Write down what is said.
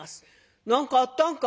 「何かあったんか？」。